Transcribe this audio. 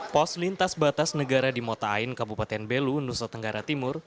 pos lintas batas negara di mota ain kabupaten belu nusa tenggara timur